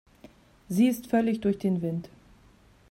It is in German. Sie ist völlig durch den Wind.